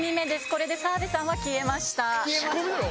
これで澤部さんは消えました。